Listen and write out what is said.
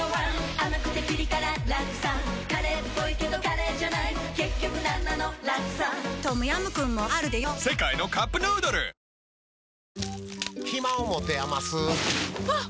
甘くてピリ辛ラクサカレーっぽいけどカレーじゃない結局なんなのラクサトムヤムクンもあるでヨ世界のカップヌードル近藤さん